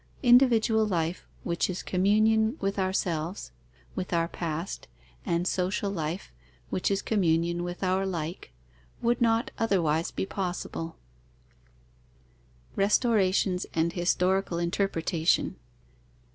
Individual life, which is communion with ourselves (with our past), and social life, which is communion with our like, would not otherwise be possible. _Restorations and historical interpretation.